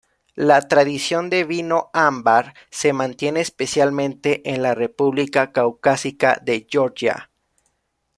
La tradición de vino ámbar se mantiene especialmente en la república caucásica de Georgia.